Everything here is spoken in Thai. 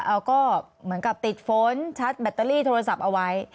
เอาก็เหมือนกับติดฝนชัดแบตเตอรี่โทรศัพท์เอาไว้